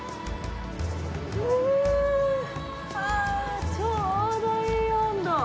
ウゥゥ、ああ、ちょうどいい温度！